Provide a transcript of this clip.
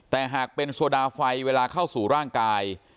แต่หากเป็นโซดาไฟเวลาเข้าสู่ร่างกาย